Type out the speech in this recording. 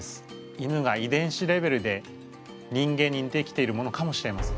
犬が遺伝子レベルで人間ににてきているものかもしれません。